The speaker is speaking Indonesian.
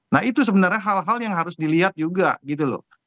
nah itu sebenarnya hal hal yang harus dilihat juga gitu loh